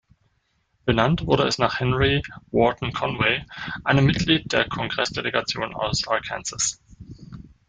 Benannt wurde es nach Henry Wharton Conway, einem Mitglied der Kongress-Delegation aus Arkansas.